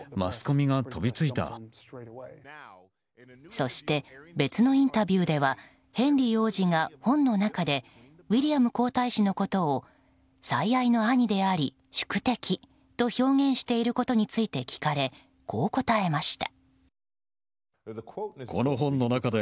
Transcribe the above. そして、別のインタビューではヘンリー王子が本の中でウィリアム皇太子のことを最愛の兄であり、宿敵と表現していることについて聞かれこう答えました。